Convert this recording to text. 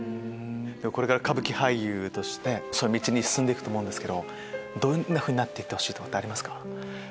これから歌舞伎俳優として進んで行くと思うんですけどどんなふうになってほしいとかありますか？